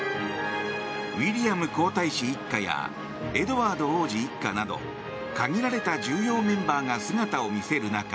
ウィリアム皇太子一家やエドワード王子一家など限られた重要メンバーが姿を見せる中